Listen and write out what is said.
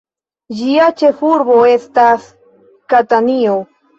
Ĝia ĉefurbo estas Katanio.